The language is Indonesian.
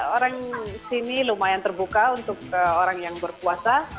orang sini lumayan terbuka untuk orang yang berpuasa